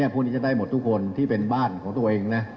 พวกนี้จะได้หมดทุกคนที่เป็นบ้านของตัวเองนะ